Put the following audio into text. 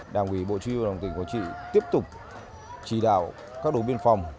đảng quỷ bộ chí huy bộ đội biên phòng tỉnh quảng trị tiếp tục chỉ đạo các đội biên phòng